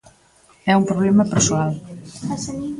É un problema persoal.